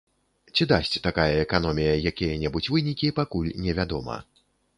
Ці дасць такая эканомія якія-небудзь вынікі, пакуль невядома.